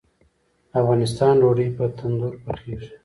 د افغانستان ډوډۍ په تندور پخیږي